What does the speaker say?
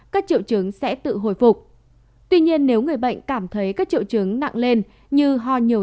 các triệu chứng sẽ tự hồi phục tuy nhiên nếu người bệnh cảm thấy các triệu chứng nặng lên như ho nhiều